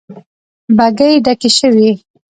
بګۍ ډکې شوې.